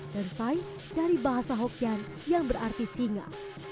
dan sai dari bahasa hokian yang berarti singa